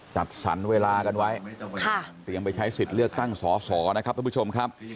จัดสรรเวลากันไว้เตรียมไปใช้สิทธิ์เลือกตั้งสอสอนะครับทุกผู้ชมครับ